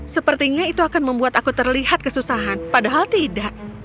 sepertinya itu akan membuat aku terlihat kesusahan padahal tidak